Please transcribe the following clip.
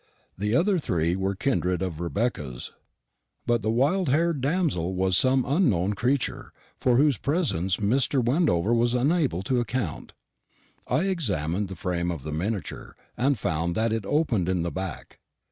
The other three were kindred of Rebecca's. But the wild haired damsel was some unknown creature, for whose presence Mr. Wendover was unable to account. I examined the frame of the miniature, and found that it opened at the back.